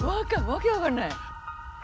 訳分かんない。